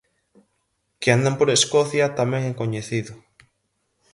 Que andan por Escocia tamén é coñecido.